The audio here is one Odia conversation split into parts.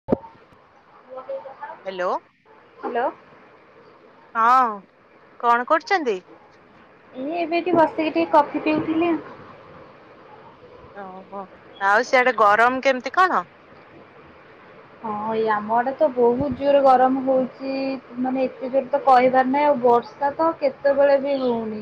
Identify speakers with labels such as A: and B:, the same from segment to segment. A: [unintelligible]
B: Hello,
A: hello.
B: ହଁ କଣ କରୁଚନ୍ତି?
A: ଏଇ ଏବେ ଏଠି ବସିକି ଟିକେ କଫି ପିଉଥିଲି।
B: ଓହୋ ଆଉ ସିଆଡେ ଗରମ କେମିତି କଣ?
A: ହଁ ଏଇ ଆମ ଆଡେ ତ ବହୁତ ଜୋର ଗରମ ହଉଛି ମାନେ ଏତେ ଜୋର ତ କହିବାର ନାହିଁ ଆଉ ବର୍ଷା ତା ତ କେତେବେଳେ ବି ହଉନି।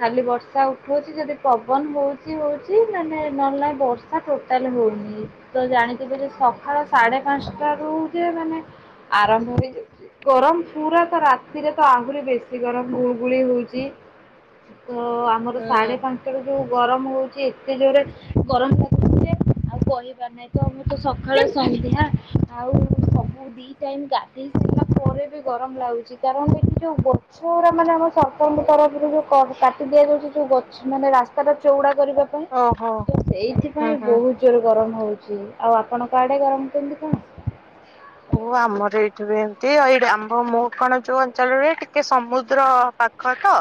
A: ଖାଲି ବର୍ଷା ଉଠଉଛି ଯଦି ପବନ ହଉଚି ହଉଚି ମାନେ ନହେଲେ ନାହିଁ ବର୍ ସା ଟୋଟାଲ ହଉନି ତ ଜାଣିଥିବେ ଯେ ସକାଳ ସାଢ଼େ ପାଞ୍ଚଟାରୁ ଯେ ମାନେ ଆରମ୍ଭ ହେଇ ଯାଉ ଗରମ ପୁରା ତ ରାତିରେ ତ ଆହୁରି ବେଶୀ ଗରମ ଗୁଳଗୁଳି ହଉଚି। ତ ଆମର
B: ହୁଁ
A: ସାଢେ ପାଞ୍ଚଟା ରୁ ଯୋଉ ଗରମ ହଉଛି ଏତେ ଜୋରେ ଗରମ [unintelligible] ଆଉ କହିିବାର ନାହିଁ ତ ମୁଁ ତ ସକାଳେ ସନ୍ଧ୍ୟା ଆଉ ସ ଦି ଟାଇମ ଗାଧେଇ ସାଇଲା ପରେ ବି ଗରମ ଲାଗୁଛି କାରଣ ଏଠି ଯୋଉ ଗଛଉରା ମାନେ ଆମ ସରକାରଙ୍କ ତରଫରୁ ଯଉ କାଟି ଦିଆଯାଉଚି ଯଉ ଗଛ ମାନେ ରାସ୍ତାଟା ଚଉଡ଼ା କରିବା ପାଇଁ
B: ଓହୋ
A: ତ
B: ହୁଁ
A: ସେଇଥିପାଇଁ
B: ହୁଁ।
A: ବହୁତ ଜୋରେ ଗରମ ହଉଚି ଆଉ ଆପଣଙ୍କଆଡ଼େ ଗରମ କେମିତି କଣ?
B: ଓ ଆମର ଏଠି ବି ଏମିତି ଏଇ ଆମ୍ ମୋ କଣ ଯୋଉ ଅଞ୍ଚଳରେ ଟିକେ ସମୁଦ୍ର ପା ଖ ତ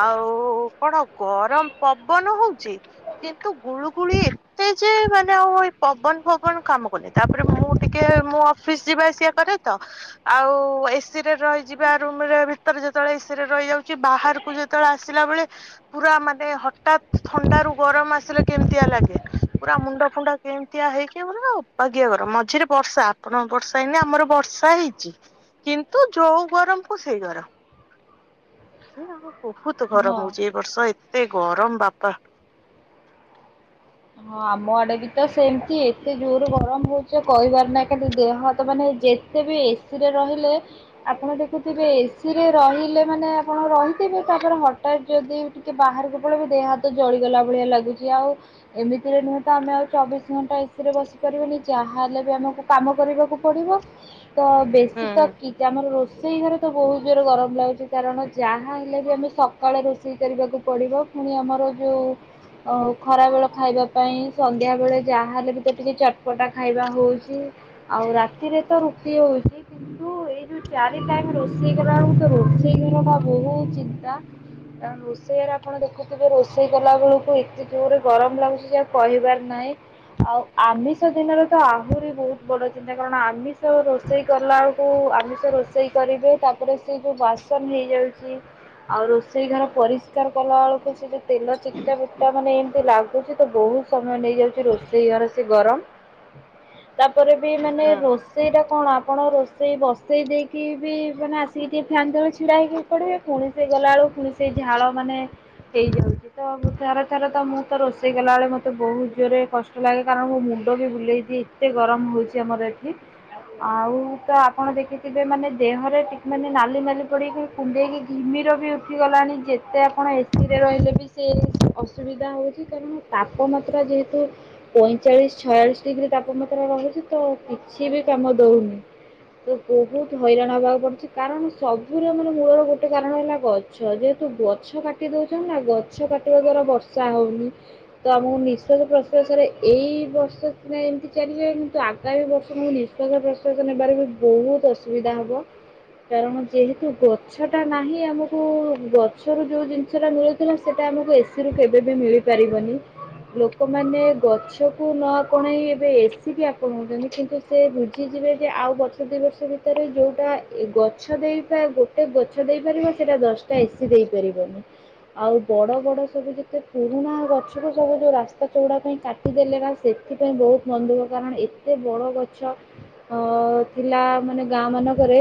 B: ଆଉ କଣ ଗରମ ପବନ ହଉଚି। କିନ୍ତୁ ଗୁଳୁଗୁଳି ଏତେ ଯେ ମାନେ ଆଉ ଏଇ ପବନ ଫବନ କାମ କନି ତାପରେ ମୁଁ ଟିକେ ମୁଁ ଫିସ୍ ଯିବା ଆସିବା କରେ ତ। ଆଉ ଏସିି ରେ ରହିଯିବା ରୁମରେ ଭିତରେ ଯେତେବେଳେ ଏସି ରେ ରହିଯାଉଛି ବାହାର କୁ ଯେତେବେଳେ ଆସିଲା ବେଳେ ପୁରା ମାନେ ହଟାତ ଥଣ୍ଡା ରୁ ଗରମ ଆସିଲେ କେମିତିଆ ଲାଗେ। ପୁରା ମୁଣ୍ଡ ଫୁଣ୍ଡା କେମିତିଆ ହେଇକି ପୁରା ଅବାଗିଆ ଗର ମଝିରେ ବର୍ଷା। ଆପଣ ବର୍ଷା ହେଇନି ଆମର ବର୍ଷା ହେଇଛି କିନ୍ତୁ ଯୋଉ ଗରମ କୁ ସେଇ ଗରମ। ଏ ଆଉ ବହୁତ ଗରମ
A: ହଁ।
B: ହଉଚି ଏ ବର୍ଷ ଏତେ ଗରମ ବାପା।
A: ହଁ ଆମ ଆଡେ ବି ତ ସେମିତି ଏତେ ଜୋର ଗରମ ହଉଚି ଯେ କହିବାର ନାଇଁ କିନ୍ତୁ ଦେହ ହାତ ମାନେ ଯେ ତେବି ଏସିରେ ରହିଲେ। ଆପଣ ଦେଖୁଥିବେ ଏସିି ରେ ରହିଲେ ମାନେ ଆପଣ ରହିଥିବେ, ତାପରେ ହଟାତ୍ ଯଦି ଟିକେ ବାହାରକୁ ପଳେଇବେ ଦେହ ହାତ ଜଳିଗଲା ଭଳିଆ ଲାଗୁଚି, ଆଉ ଏମିତିରେ ନୁହେଁ ତ ଆମେ ଆଉ ଚବିଶ ଘଣ୍ଟା ଏସି ରେ ବସି ପାରିବୁନି, ଯାହାହେଲେ ବି ଆମକୁ କାମ କରିବାକୁ ପଡିବ ତ
B: ହୁଁ
A: ବେଶୀ ତ କି ଯେ ଆମର ର ଷେଇ ଘରେ ତ ବହୁତ ଜୋର ଗରମ ଲାଗୁଛି, କାରଣ ଯାହା ହେଲେ ବି ଆମେ ସକାଳେ ରୋଷେଇ କରିବାକୁ ପଡ଼ିବ। ପୁଣି ଆମର ଯୋଉ ଆଉ ଖରା ବେଳ ଖାଇବା ପାଇଁ ସନ୍ଧ୍ୟା ବେଳେ ଯାହାହେଲେ ବି ତ ଟିକେ ଚଟପଟା ଖାଇବା ହଉଛି। ଆଉ ରାତିରେ ତ ରୁଟି ହଉଛି କି ତୁ ଏଇ ଯୋଉ ଚାରି ଟାଇମ୍ ରୋଷେଇ କଲାବେଳ କୁ ତ ରୋଷେଇ କରିବାଟା ବହୁତ ଚିନ୍ତା। ଆ, ରୋଷେଇରେ ଆପଣ ଦେଖୁଥୁବେ ରୋଷେଇ କଲା ବେଳକୁ ଏତେ ଜୋରେ ଗରମ ଲାଗୁଛି ଯେ ଆଉ କହିବାର ନାଇଁ। ଆଉ ଆମିଷ ଦିନରେ ତ ଆହୁରି ବହୁତ ବଡ ଚିନ୍ତା, କାରଣ ଆମିଷ ରୋଷ ଷେଇ କଲା ବେଳକୁ ଆମିଷ ରୋଷେଇ କରିବେ, ତାପରେ ସେ ଯୋଉ ବାସନ ହେଇଯାଉଚି ଆଉ ରୋଷେଇ ଘର ପରିଷ୍କାର କଲା ବେଳକୁ ସେ ଯୋଉ ତେଲ ଚିକ୍ଟା ଫିକ୍ଟା ମାନେ ଏମିତି ଲାଗୁ ଗୁଚି ତ ବହୁତ ସମୟ ନେଇଯାଉଛି ରୋଷେଇ ଘାର ସେ ଗରମ। ତାପରେ ବି ମାନେ
B: ହୁଁ
A: ରୋଷ ଷେଇ ଟା କଣ ଆପଣ ରୋଷେଇ ବସେଇ ଦେଇକି ବି ମାନେ ଆସିକି ଟିକେ ଫ୍ୟାନ୍ ତଳେ ଛିଡ଼ା ହେଇକି ପଡିବେ, ପୁଣି ସେ ଗଲାବେେଳକୁ ପୁଣି ସେଇ ଝାଳ ମାନେ ହେଇଯାଉଚି, ତ ମୁଁ ଥରେ ଥରେ ତ ମୁଁ ତ ରୋଷେଇ କଲାବେଳେ ମୋତେ ବହୁତ ଜୋରରେ କଷ୍ଟ ଲାଗେ, କାରଣ ମୋ ମୁଣ୍ଡ ବି ବୁଲେଇ ଦିଏ ଏତେ ଗରମ ହଉଛି। ଚି ଆମର ଏଠି। ଆଉ ତ ଆପଣ ଦେଖିଥିବେ ମାନେ ଦେହରେ ଟିକ୍ ମାନେ ନାଲି ନାଲି ପଡିିକି କୁଣ୍ଡେଇକି ଘିମିର ବି ଉଠିଗଲାଣି, ଯେତେ ଆପଣ ଏସି ରେ ରହିଲେ ବି ସେ ଅସୁବିଧା ହଉଛ ଚି କାରଣ ତାପମାତ୍ରା ଯେହେତୁ ପଇଁଚାଳିଶ ଛୟାଳିଶ ଡିଗ୍ରୀ ତାପମାତ୍ରା ରହିଛି ତ କିଛି ବି କାମ ଦଉନି। ତ ବହୁତ ହଇରାଣ ହବାକୁ ପଡୁଛି, କାରଣ ସବୁର ଆମର ମୂଳର ଗୋଟେ କାରଣ ହେଲା ଗ ଛ ଯେହେତୁ ଗଛ କାଟି ଦଉଛନ୍ତି ନା ଗଛ କାଟିବା ଦ୍ଵାରା ବର୍ଷା ହଉନି। ତ ଆମକୁ ନିଃଶ୍ୱାସ ପ୍ରଶ୍ବାସରେ ଏଇ ବର୍ଷ ନା ଏମିତି ଚାଲିବ ଏମିତି ତ ଆଗାମୀ ବର୍ଷ ମୁଁ ନି ଶ୍ବାସ ପ୍ରଶ୍ୱାସ ନେବାରେ ବି ବହୁତ ଅସୁବିଧା ହବ। କାରଣ ଯେହେତୁ ଗଛ ଟା ନାହିଁ ଆମକୁ ଗଛରୁ ଯୋଉ ଜିନିଷ ଟା ମିଳୁ ଥିଲା ସେଟା ଆମକୁ ଏସି ରୁ କେବେ ବି ମିଳିପାରିବନି। ଲୋକମାନେ ଗଛ କୁ ନ ଆପଣେଇ ଏବେ ଏସି କି ଆପଣଉଚନ୍ତି, କିନ୍ତୁ ସେ ବୁଝିଯିବେ ଯେ ଆଉ ବର୍ଷେ ଦୁଇ ବର୍ଷ ଭିତରେ ଯୋଉଟା ଏ ଗଛ ଦେଇପା ଗୋ ଟେ ଗଛ ଦେଇପାରିବ ସେଟା ଦଶଟା ଏସିି ଦେଇ ପାରିବନି। ଆଉ ବଡ ବଡ ସବୁ ଯେତେ ପୂ ପୁରୁଣା ଗଛକୁୁ ସବୁ ଯୋ ରାସ୍ତା ଚଉଡ଼ା ପାଇଁ କାଟିଦେଲେ କା ସେଥିପାଇଁ ବହୁତ ମନଦୁଃଖ କାରଣ ଏ ଏତେ ବଡ଼ ଗଛ ଅ, ଥିଲା ମାନେ ଗାଁ ମାନଙ୍କରେ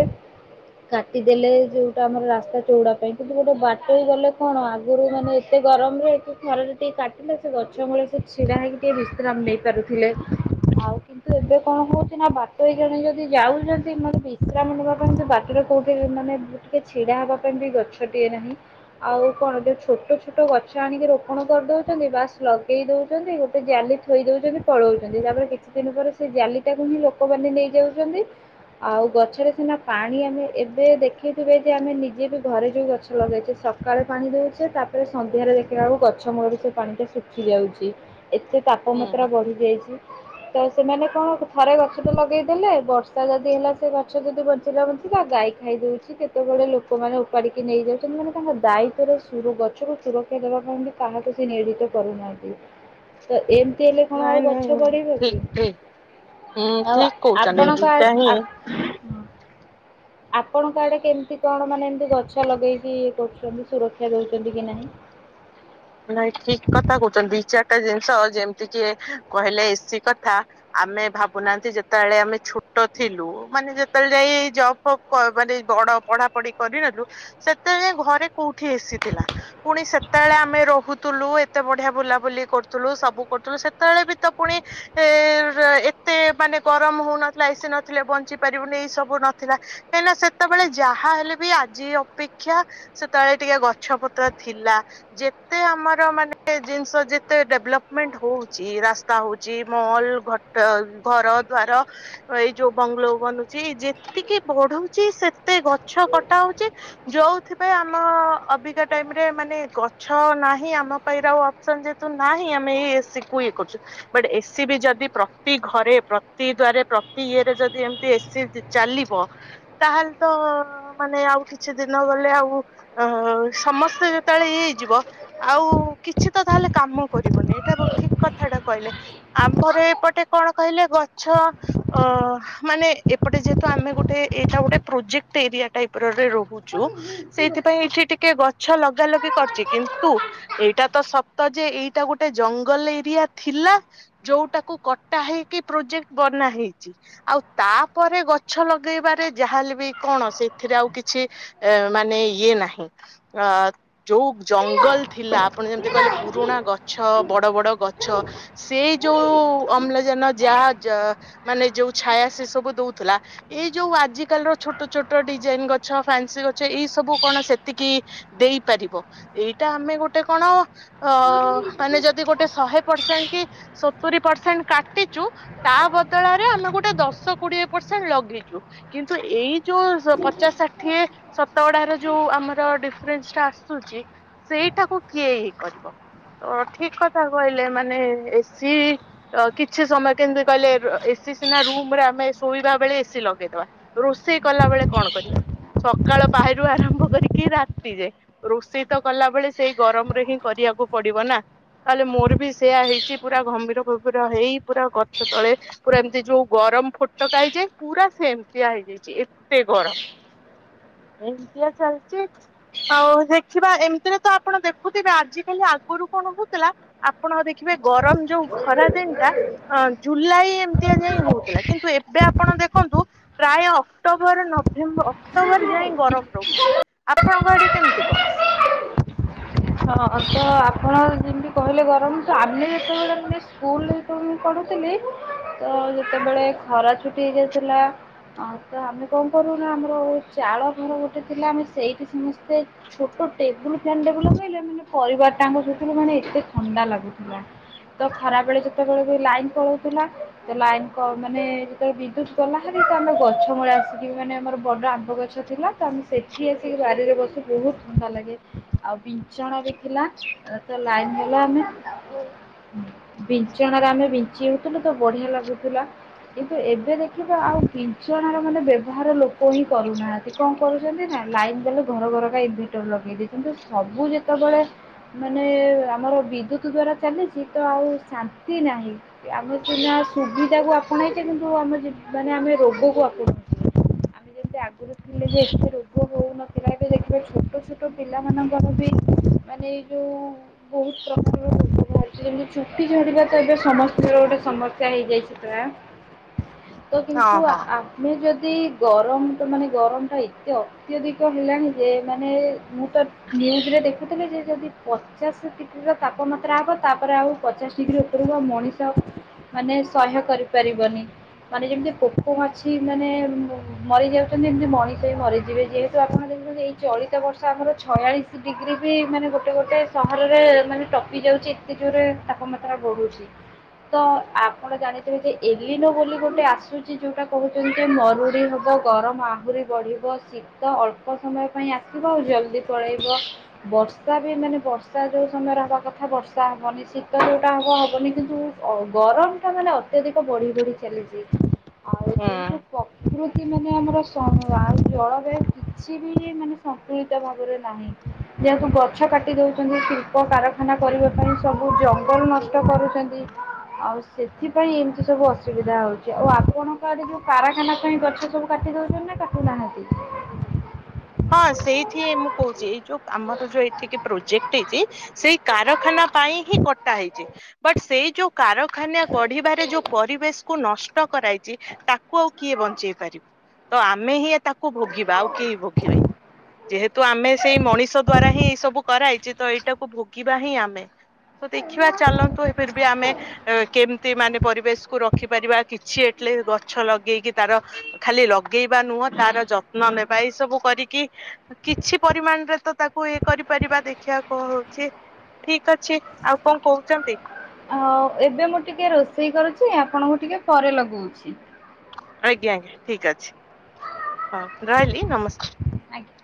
A: କାଟିଦେଲେ ଯୋଉଟା ଆମର ରାସ୍ତା ଚଉଡା ପାଇଁ। କିନ୍ତୁ ଗୋଟେ ବାଟଇ ଗଲେ କଣ ଆଗରୁ ମାନେ ଏତେ ଗରମରେ ଏଠି ଖରାରେ ଟିକେ କାଟିଲେ ସେ ଗଛ ମୂଳେ ସେ ଛିଡ଼ା ହେଇକି ଟିକେ ବିଶ୍ରାମ ନେଇ ପାରୁଥିଲେ। ଆଉ କିନ୍ ତି ଏବେ କଣ ହଉଚି ନା ବାଟଇ ଜଣେ ଯଦି ଯାଉଚନ୍ତି ମାନେ ବିଶ୍ରାମ ନବା ପାଇଁ ସେ ବାଟରେ କୋଉଠି ମାନେ ଗୁ ଟିକେ ଛିଡା ହେବା ପାଇଁ ବି ଗଛ ଟିଏ ନାହିଁ। ଆଉ କଣ ଯୋଉ ଛୋଟ ଛୋଟ ଗଛ ଆଣିକି ର ପଣ କରିଦଉଛନ୍ତି, ବାସ୍ ଲଗେଇ ଦଉଚନ୍ତି ଗୋଟେ ଜାଲି ଥୋଇ ଦଉଚନ୍ତି ପଳଉଚନ୍ତି ତାପରେ କିଛି ଦିନ ପରେ ସେ ଜାଲିଟାକୁ ହିଁ ଲୋକମାନେ ନେଇଯାଉଛନ୍ତି। ଆଉ ଗଛରେ ସିନା ପାଣି ଆମେ ଏବେ ଦେଖିଥିବେ ଯେ ଆମେ ନିଜେ ବି ଘରେ ଯୋଉ ଗଛ ଲଗେଇଚେ ସ କାଳେ ପାଣି ଦଉଛେ, ତାପରେ ସନ୍ଧ୍ୟାରେ ଦେଖିଲା ବେଳକୁ ଗ ଛ ମୂଳରୁ ସେ ପାଣିଟା ଶୁଖି ଯାଉଛି, ଏତେ ତାପମାତ୍ରା
B: ହୁଁ
A: ବଢ଼ିଯାଇଚି। ତ ସେମାନେ କଣ ଥରେ ଗଛ ତ ଲଗେଇଦେଲେ ବର୍ଷା ଯଦି ହେଲା ସେ ଗଛ ଯଦି ବଞ୍ଚ ଞ୍ଚିଲା ବଞ୍ଚିଲା ଗାଈ ଖାଇଦଉଛି, କେତେବେଳେ ଲୋକମାନେ ଉପାଡ଼ିକି ନେଇଯାଉଛନ୍ତି, ମାନେ ତାଙ୍କ ଦାୟିତ୍ୱରେ ସୁରୁ ଗଛରୁ ସୁରକ୍ଷା ଦେବା ପାଇଁବି କାହାକୁ ସେ ନିୟୋଜିତ କରୁନାହାନ୍ତି ତ ଏମ୍ ଏମିତି ହେଲେ କଣ
B: ନାଇଁ
A: ଆଉ ଗଛ
B: ନାଇଁ
A: ବଢିବ କି
B: ଠିକ ଠିକ ହୁଁ
A: ଆଉ ଆ
B: ଠିକ କହୁଛନ୍ତି
A: ଆପଣଙ୍କଡେ
B: ଏଇଟା ହିଁ
A: ଆପ୍ ହଁ ଆପଣଙ୍କଆଡେ କେମିତି କଣ ମାନେ ଏମି଼ତି ଗଛ ଲଗେଇକି କରୁଚନ୍ତି ସୁରକ୍ଷା ଦଉଚନ୍ତି କି ନାହିଁ?
B: ନାଇଁ ଠିକ୍ କଥା କହୁଚନ୍ତି ଦି ଚାରିଟା ଜିନିଷ ଯେମିତି କି କହିଲେ ଏସି କଥା ଆମେ ଭାବୁନାହାନ୍ତି ଯେତେବେଳେ ଆମେ ଛୋଟ ଥିଲୁ ମାନେ ଯେତେବେଳେ ଯାଇ ଜବ୍ ଫବ୍ କ ମାନେ ବଡ ପଢାପଢି କରିବାରୁ ସେତେବେଳେ ଘରେ କୋଉଠି ଏସିଥିଲା ପୁଣି ସେତେବେଳେ ଆମେ ରହୁଥିଲୁ ଏତେ ବଢିଆ ବୁଲାବୁଲି କରୁଥିଲୁ ସବୁ କରୁଥିଲୁ ସେତେବେଳେ ବି ତ ପୁଣି ଏ-ରେ-ଏତେ ମାନେ ଗରମ ହଉନଥିଲା ଏସି ନଥିଲେ ବଞ୍ଚି ପାରିବୁନି ଏଇ ସବୁ ନଥିଲା। କାହିଁକି ନା ସେତେବେଳେ ଯାହା ହେଲେ ବି ଆଜି ଅପେକ୍ଷା ସେତେବେଳେ ଟିକେ ଗଛ ପତ୍ର ଥିଲା ଯେ ଏ ଆମର ମାନେ ଜିନିଷ ଯେତେ ଡେଭଲପମେଣ୍ଟ ହଉଚି ରାସ୍ତା ହଉଚି ମଲ ଘ ତ ଘର ଦ୍ଵାର ଏଇ ଯୋଉ ବଙ୍ଗଲୋ ବନୁଚି ଯେତିକି ବଢଉଚି ସେତେ ଗଛ କଟା ହଉଚି। ଯୋଉଥିପାଇଁ ଆମ ଅବିକା ଟାଇମରେ ମାନେ ଗ ଛ ନାହିଁ ଆମ ପାଇଁ ରେ ଆଉ ଅପସନ ଯେହେତୁ ନାହିଁ ଆମେ ଏ ଏସି କୁ ଇଏ କରୁଛୁ। ବଟ୍ ଏସିି ବି ଯଦି ପ୍ରତି ଘରେ ପ୍ରତି ଦ୍ୱାରେ ପ୍ରତି ଇଏ ରେ ଯଦି ଏମିତି ଏସି ଚାଲିବ ତାହେଲେ ତ ମାନେ ଆଉ କିଛି ଦିନ ଗଲେ ଆଉ ଓ ହୋଉ ସମସ୍ତେ ଯେତେବେଳେ ଏଇ ଯିବ ଆଉ କିଛି ତ ତାହେଲେ କାମ କରିବନି ଏଇଟା ହବ ଠିକ୍ କଥାଟା କହିଲେ। ଆମର ଏପଟେ କଣ କହିଲେ ଗଛ ଅ ମାନେ ଏପଟେ ଯେହେତୁ ଆମେ ଗୋଟେ ଏଇଟା ଗୋଟେ ପ୍ରୋଜେକ୍ଟ ଏରିଆ ଟାଇପରେ ରହୁଚୁ ସେଇଥିପାଇଁ ଏଠି ଟିକେ ଗଛ ଲଗା ଲଗି କରିଚି। କିନ୍ତୁ ଏଇଟା ତ ସତ ଯେ ଏଇଟା ଗୋଟେ ଜଙ୍ଗଲ ଏରିଆ ଥିଲା। ଯୋଉଟାକୁ କଟା ହେଇକି ପ୍ରୋଜେକ୍ଟ ବନା ହେଇଚି ଆଉ ତାପରେ ଗଛ ଲଗେଇବାରେ ଯାହାହେଲେ ବି କଣ ସେଥିରେ ଆଉ କିଛି ଏ ମାନେ ଇଏ ନାହିଁ ଅ ଯୋଉ ଜଙ୍ଗଲ ଥିଲା ଆପଣ ଯେମିତି କହିଲେ ପୁରୁଣା ଗଛ ବଡ ବଡ ଗଛ ସେଇ ଯୋଉ ଅମ୍ଳଜାନ ଯାଆ ଯାଆ ମାନେ ଯୋଉ ଛାୟା ସେ ସବୁ ଦଉଥିଲା ଏଇ ଯୋଉ ଆଜିକାଲିର ଛୋଟ ଛୋଟ ଡିଜାଇନ ଗଛ ଫନ୍ସି ଗଛ ଏଇ ସବୁ କଣ ସେତିକି ଦେଇପାରିବ ଏଇଟା ଆମେ ଗୋଟେ କଣ ଅ ମାନେ ଯଦି ଗୋଟେ ଶହେ ପରସେଣ୍ଟ କି ସତୁରି ପରସେଣ୍ଟ କାଟିଚୁ ତା ବଦଳରେ ଆମେ ଗୋଟେ ଦଶ କୋଡିଏ ପରସେଣ୍ଟ ଲଗେଇଚୁ। କିନ୍ତୁ ଏଇ ଯୋଉ ସୋ ପଚାଶ ଷାଠିଏ ସତ ଗଡାହାର ଯୋଉ ଆମର ଡିଫରେନ୍ସ ଟା ଆସୁଚି ସେଇଟାକୁ କିଏ ଇଏ କରିବ? ତ ଠିକ୍ କଥା କହିଲେ ମାନେ ଏ ଏସି କିଛି ସମୟ କେମିତି କହିଲେ ଏସି ସିନା ରୁମ୍ ରେ ଆମେ ଶୋଇବା ବେଳେ ଏସିି ଲଗେଇଦବା। ରୋଷେଇ କଲା ବେଳେ କଣ କରିବା। ସକାଳ ପାହିରୁ ଆରମ୍ଭ କରିକି ରାତି ଯାଏ ରୋଷେଇ ତ କଲା ବେଳେ ସେଇ ଗରମରେ ହିଁ କରିବାକୁ ପଡିବ ନା! ତାହେଲେ ମୋର ବି ସେଇଆ ହେଇଛି ପୁରା ଘମ୍ଭୀର ଫମ୍ଭୀର ହେଇ ପୁରା ଗଛ ତଳେ ପୁରା ଏମିତି ଯୋଉ ଗରମ ଫୋଟକା ହେଇଯାଏ ପୁରା ସେମିତିଆ ହେଇଯାଇଛି ଏତେ ଗରମ! ଏମିତିଆ ଚାଲିଛି ଆଉ ହେଁ ଦେଖିବା ଏମିତିରେ ତ ଆପଣ ଦେଖୁଥିବେ ଆଜିିକାଲି ଆଗରୁ କଣ ହଉଥିଲା ଆପଣ ଦେଖିବେ ଗରମ ଯୋଉ ଖରା ଦିନ ଟା ଅ ଜୁଲାଇ ଏମିତିଆ ଯାଇ ହଉଥିଲା। କିନ୍ତୁ ଏବେ ଆପଣ ଦେଖନ୍ତୁ ପ୍ରାୟ ଅକ୍ଟୋବର ନଭେମ୍ବର ଅକ୍ଟୋବର ଯାଏ ଗରମ ରହୁଛି। ଆପଣଙ୍କ ଆଡେ କେମିତି କଣ?
A: ହଁ, ତ ଆପଣ ଯେମିତି କହିଲେ ଗରମ ତ ଆମେ ଯେତେବେଳେ ମାନେ ସ୍କୁଲରେ ଯେତେବେଳେ ମୁଁ ପଢୁଥିଲି ତ ଯେତେବେଳେ ଖରା ଛୁଟି ହେଉଥିଲା ଅ ତ ଆମେ କଣ କରୁନା ଆମର ଚାଳ ଘର ଗୋଟେ ଥିଲା ଆମେ ସେଇଠି ସମସ୍ତେ ଛୋଟ ଟେବୁଲ ଫ୍ୟନ୍ ଟା କୁ ଲଗେଇଲେ ମାନେ ପରିବାରଟା ଙ୍କ ସେଥିରୁ ମାନେ ଏତେ ଥଣ୍ଡା ଲାଗୁଥିଲା। ତ ଖରାବେଳେ ଯେତେବେଳେ ବି ଲାଇନ ପଳଉଥିଲା ତ ଲାଇନ କ ମାନେ ବିଦ୍ୟୁତ ଗଲା ହାରି ତ ଆମେ ଗଛ ମୂଳେ ଆସିକି ମାନେ ଆମର ବଡ ଆମ୍ବ ଗଛ ଥିଲା ତ ଆମେ ସେଇଠି ଉଠି ଆସିକି ବାରିରେ ବସୂ ବହୁତ ଥଣ୍ଡା ଲାଗେ ଆଉ ପି ବିଞ୍ଚଣା ବି ଥିଲା ତ ଲାଇନ ଗଲେ ଆମେ ବିଞ୍ଚଣାରେ ଆମେ ବିଞ୍ଚି ହେଉଥିଲୁ ତ ବଢିଆ ଲାଗୁଥିଲା। କିନ୍ତୁ ଏବେ ଦେଖିବେ ଆଉ ବିଞ୍ଚଣା ର ମାନେ ବ୍ୟବହାର ଲୋକ ହିଁ କରୁନାହାଁନ୍ତି। କଣ କରୁଛନ୍ତି ନା ଲାଇନ ଗଲେ ଘର ଘରକା ଇନଭରଟର ଲଗେଇ ଦେଇଛନ୍ତି ସବୁ ଯେତେବେଳେ ମାନେ ଆମର ବିଦ୍ୟୁତ ଦ୍ଵାରା ଚାଲିଛି ତ ଆଉ ଶାନ୍ତି ନାହିଁ। ଆମେ ସିନା ସୁବିଧାକୁ ଆପଣେଇଛେ କିନ୍ତୁ ଆମ ମାନେ ଆମେ ରୋଗକୁ ଆପଣେଇଛେ। ଆମେ ଯେମିତି ଆଗରୁ ଥିଲେ ଯେ ଏତେ ରୋଗ ହେଉନଥିଲା ଏବେ ଦେଖିବା ଛୋଟ ଛୋଟ ପିଲାମାନଙ୍କର ବି ମାନେ ଏ ଯେଉଁ ବହୁତ ପ୍ରକାରର ରୋଗ ବାହାରିଛି। ଯେମିତି ଚୁଟି ଝଡିବା ତ ଏବେ ସମସ୍ତଙ୍କର ଗୋଟେ ସମସ୍ୟା ହେଇଯାଇଛି। [unintelligible] ଶୀତ
B: ହଁ
A: କିନ୍ତୁ
B: ହଁ
A: ଆ ମୁ ଯଦି ଗରମ ତ ମାନେ ଗରମଟା ଏତେ ଅତ୍ୟଧିକ ହେଲାଣି ଯେ ମାନେ ମୁଁ ତ ଧିରେ ଧିରେ ଦେଖିବେ ଦେଖିବେ ଯେ ଯଦି ପଚାଶ ଡିଗ୍ରୀର ତାପମାତ୍ରା ହେବ ତାପରେ ଆଉ ପଚାଶ ଡିଗ୍ରୀ ଉପରକୁ ମଣିଷ ଆଉ ମାନେ ସହ୍ୟ କରିପାରିବନି ମାନେ ଯେମିତି ପୋକ ମାଛି ମାନେ ମରି ଯାଉଛନ୍ତି ଏମତି ମଣିଷ ବି ମରିଯିବେ ଯେହେତୁ ଆପଣ ଦେଖୁଛନ୍ତି ଏଇ ଚଳିତ ବର୍ଷ ଆମର ଛୟାଳିଶ ଡିଗ୍ରୀ ବି ମାନେ ଗୋଟେ ଗୋଟେ ସହରରେ ମାନେ ଟପି ଯାଉଛି ଏତେ ଜୋରେ ତାପମାତ୍ରା ବଢୁଛି। ତ ଆପଣ ଜାଣିଥିବେ ଯେ ଏଲିନୋ ବୋଲି ଗୋଟେ ଆସୁଛି ଯୋଉଟା କହୁଛ ଯେମିତିି ମରୁଡ଼ି ହବ ଗରମ ଆହୁରି ବଢିବ ଶୀତ ଅଳ୍ପ ସମୟ ପାଇଁ ଆସି ଆସିବ ଆଉ ଜଲଦି ପଳେଇବ। ବର୍ଷା ବି ମାନେ ବର୍ଷା ଯୋଉ ସମୟରେ ହବା କଥା ବର୍ଷା ହବନି ଶୀତ ଯୋଉଟା ହବ ହବନି। କିନ୍ତୁ ଅ ଗରମ ଟା ମାନେ ଅତ୍ୟଧିକ ବଢି ବଢି ଚାଲିଛି ଆଉ
B: ହୁଁ।
A: ଯେହେତୁ ପ୍ରକୃତି କି ମାନେ ଆମର ସ ଆମ ଜଳବାୟୁ କିଛି ବି ମାନେ ସନ୍ତୁଳିତ ଭାବରେ ନାହିଁ। ଯେହେତୁ ଗଛ କାଟି ଦଉଛନ୍ତି ଶିଳ୍ପ କାରଖାନା କରିବା ପାଇଁ ସବୁ ଜଙ୍ଗଲ ନଷ୍ଟ କରୁଛନ୍ତି। ଆଉ ସେଥିପାଇଁ ଏମିତି ସବୁ ଅସୁବିଧା ହଉଛି। ଆଉ ଆପଣଙ୍କ ଆଡେ ଯୋଉ କାରଖାନା ପାଇଁ ଗଛ ସବୁ କାଟି ଦଉଛନ୍ତି ନା କାଟୁ ନାହାଁନ୍ତି?
B: ହଁ ସେଇଠି ମୁଁ କହୁଛି ଯୋଉ ଆମର ଯୋଉ ଏଠିକି ପ୍ରୋଜେକ୍ଟ ହେଇଛି ସେଇ କାରଖାନା ପାଇଁ ହିଁ କଟା ହେଇଛି। ବଟ୍ ସେଇ ଯୋଉ କାରଖାନା ଗଢିବାରେ ଯୋଉ ପରିବେଶ କୁ ନଷ୍ଟ ଷ୍ଟ କରାଇଛି ତାକୁ ଆଉ କିଏ ବଞ୍ଚେଇ ପାରିବ। ତ ଆମେ ହିଁ ତାକୁ ଭୋଗିବା ଆଉ କେହି ଭୋଗିବେନି।
A: [unintelligible]
B: ଯେହେତୁ ଆମେ ସେଇ ମଣିଷ ଦ୍ଵାରା ହିଁ ଏଇ ସବୁ କରାଇଛେ ତ ଏଇଟାକୁ ଭୋଗିବା ହିଁ ଆମେ। ତ ଦେଖିବା ଚାଲନ୍ତୁ [unintelligible] ବି ଆମେ କେମିତି ମାନେ ପରିବେଶକୁୁ ରଖିପାରିବା କିଛି ଏଟଲିଷ୍ଟ ଗଛ ଲଗେଇକି ତାର ଖାଲି ଲଗେଇବା ନୁହଁ ତାର ଯତ୍ନ ନେବା। ଏଇ ସବୁ କରିକି କି କିଛି ପରିମାଣରେ ତ ତାକୁ ଇଏ କରିପାରିବା ଦେଖିବା କଣ ହଉଛି। ଠିକ ଅଛି ଆଉ କଣ କହୁଛନ୍ତି।
A: ଆଉ ଏବେ ମୁଁ ଟିକେ ରୋଷେଇ କରୁଛି, ଆପଣଙ୍କୁ ଟିକେ ପରେ ଲଗଉଛି।
B: ଆଜ୍ଞା ଆଜ୍ଞା ଠିକ ଅଛି ହଁ ରହିଲି ନମସ୍କାର।
A: ଆଜ୍ଞା।